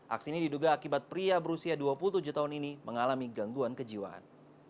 aksi ini diduga akibat pria berusia dua puluh tujuh tahun ini mengalami gangguan kejiwaan